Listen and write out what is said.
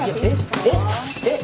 えっえっ？